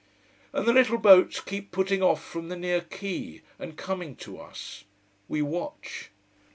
And the little boats keep putting off from the near quay, and coming to us. We watch.